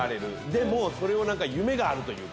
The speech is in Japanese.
でも何か夢があるというか。